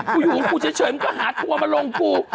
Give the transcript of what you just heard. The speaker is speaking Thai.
อยู่ของกูเฉยมึงก็หาทัวร์มาลงกู